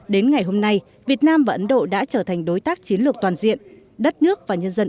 đến ngày hôm nay việt nam và ấn độ đã trở thành đối tác chiến lược toàn diện đất nước và nhân dân